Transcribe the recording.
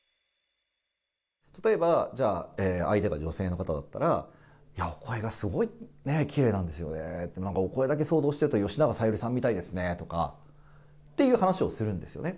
例えば、相手が女性の方だったら、いや、お声がすごいきれいなんですよねって、なんかお声だけで想像すると、吉永小百合さんみたいですねとかっていう話をするんですよね。